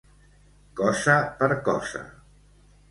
Cosa per cosa.